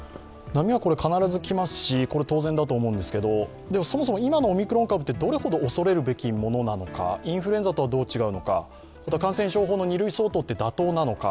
波は必ず来ますし、当然だと思うんですけれども、そもそも今のオミクロン株ってどれほど恐れるべきものなのか、インフルエンザとはどう違うのか、感染症法の２類相当は妥当なのか。